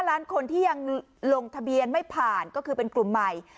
ล้านคนที่ยังลงทะเบียนไม่ผ่านก็คือเป็นกลุ่มใหม่